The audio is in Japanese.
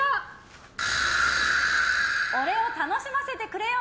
「俺を楽しませてくれよ！」